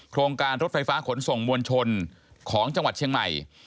โครงการรถไฟฟ้าขนส่งมวลชนของจังหวัดเชียงใหม่